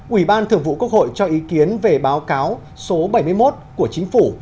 ủy ban thường vụ quốc hội cho ý kiến về báo cáo số bảy mươi một của chính phủ